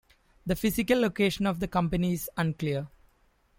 The physical location of the company is unclear.